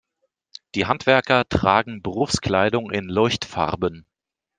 Die Handwerker tragen Berufskleidung in Leuchtfarben.